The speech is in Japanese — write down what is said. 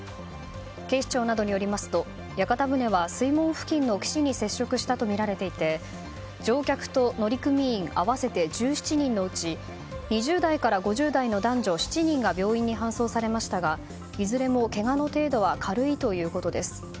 警視庁などによりますと屋形船は水門付近の岸に接触したとみられていて乗客と乗組員合わせて１７人のうち２０代から５０代の男女７人が病院に搬送されましたがいずれもけがの程度は軽いということです。